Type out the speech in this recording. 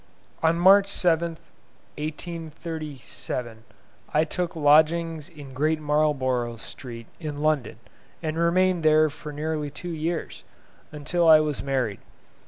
On March 7th, 1837, I took lodgings in Great Marlborough Street in London, and remained there for nearly two years, until I was married.